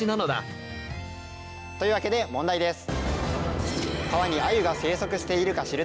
というわけで問題です。